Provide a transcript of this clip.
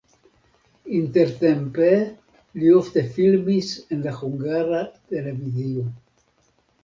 Intertempe li ofte filmis en la Hungara Televizio.